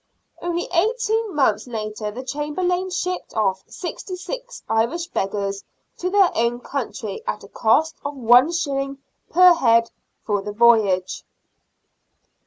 Only eighteen months later the Chamberlain shipped off sixty six Irish beggars to their own country at a cost of one shilling per head for the voyage.